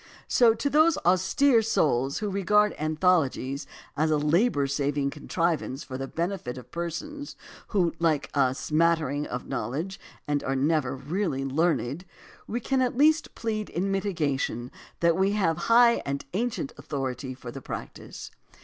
So to those austere souls who regard anthologies as a labor saving con trivance for the benefit of persons who like a smatter ing of knowledge and are never really learned, we can at least plead in mitigation that we have high and ancient authority for the practice.